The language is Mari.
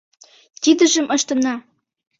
Тидыжым ыштена.